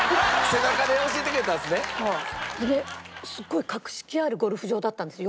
それですごい格式あるゴルフ場だったんです。